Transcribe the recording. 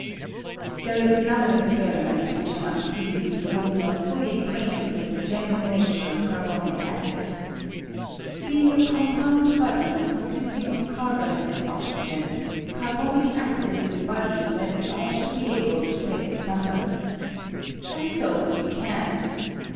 There is another experiment which I must give you before you are fully acquainted with the general nature of carbonic acid. Being a compound body, consisting of carbon and ox ygen, carbonic acid is a body that we ought to be able to take asunder. And so we can.